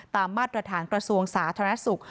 ตามมาทรฐานกระทรวงสาทนสุข